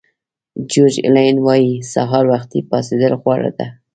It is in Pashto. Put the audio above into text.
جیورج الین وایي سهار وختي پاڅېدل غوره دي.